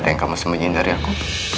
ada yang kamu sembunyi dari aku